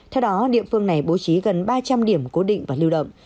theo đó địa phương này bố trí gần ba trăm linh điểm cố định và lưu động